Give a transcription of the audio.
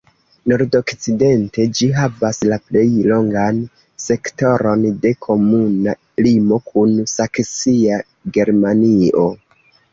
Nordokcidente ĝi havas la plej longan sektoron de komuna limo kun saksia Germanio.